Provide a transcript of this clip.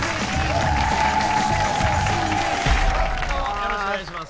よろしくお願いします。